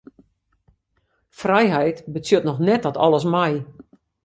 Frijheid betsjut noch net dat alles mei.